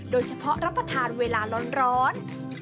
โดยเฉพาะรับประทานเวลาร้อน